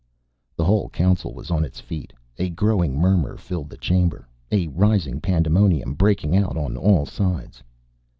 The whole Council was on its feet. A growing murmur filled the chamber, a rising pandemonium breaking out on all sides.